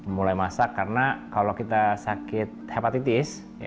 mulai masak karena kalau kita sakit hepatitis